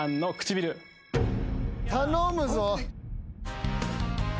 頼むぞ！